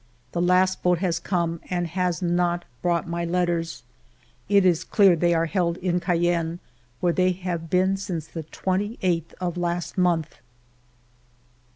The last boat has come and has not brought my letters ! It is clear they are held in Cayenne, where they have been since the 28th of last month.